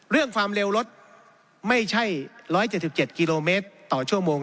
ความเร็วรถไม่ใช่๑๗๗กิโลเมตรต่อชั่วโมง